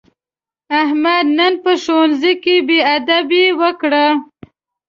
احمد نن په ښوونځي کې بېادبي وکړه.